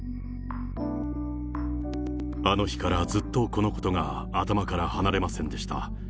あの日からずっと、このことが頭から離れませんでした。